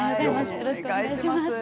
よろしくお願いします。